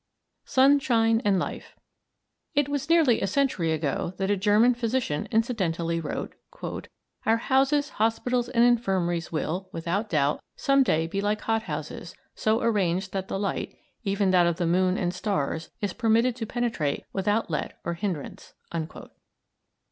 SUNSHINE AND LIFE It was nearly a century ago that a German physician incidentally wrote, "Our houses, hospitals, and infirmaries will, without doubt, some day be like hot houses, so arranged that the light, even that of the moon and stars, is permitted to penetrate without let or hindrance."